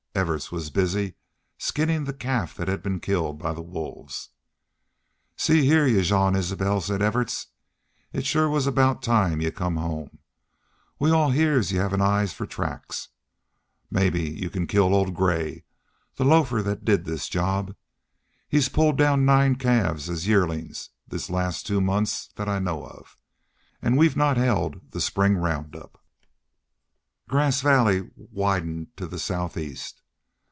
Everts was busily skinning the calf that had been killed by the wolves. "See heah, y'u Jean Isbel," said Everts, "it shore was aboot time y'u come home. We all heahs y'u hev an eye fer tracks. Wal, mebbe y'u can kill Old Gray, the lofer thet did this job. He's pulled down nine calves as' yearlin's this last two months thet I know of. An' we've not hed the spring round up." Grass Valley widened to the southeast.